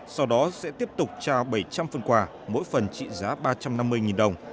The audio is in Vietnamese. sau đó sẽ tiếp tục trao bảy trăm linh phần quà mỗi phần trị giá ba trăm năm mươi đồng